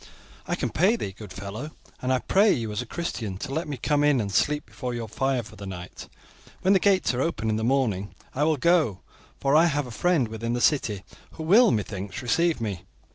I can pay thee, good fellow, and I pray you as a Christian to let me come in and sleep before your fire for the night. When the gates are open in the morning I will go; for I have a friend within the city who will, methinks, receive me."